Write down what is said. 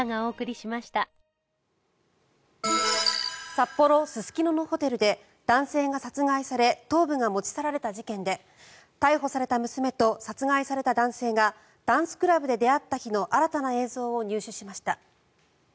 札幌・すすきののホテルで男性が殺害され頭部が持ち去られた事件で逮捕された娘と殺害された男性がダンスクラブで出会った日の新たな映像を入手しました。